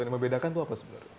yang membedakan itu apa sebenarnya